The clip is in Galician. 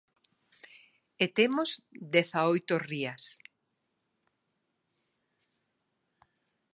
E temos dezaoito rías.